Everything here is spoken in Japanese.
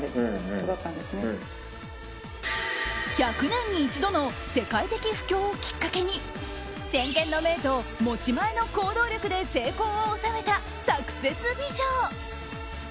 １００年に一度の世界的不況をきっかけに先見の明と持ち前の行動力で成功を収めたサクセス美女！